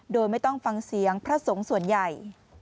โดยไม่ต้องฟังเสียงพระสงฆ์ส่วนใหญ่